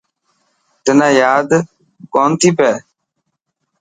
تنا ياد ڪونٿي پئي.